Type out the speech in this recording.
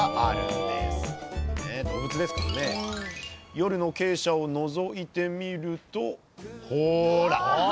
夜の鶏舎をのぞいてみるとほら！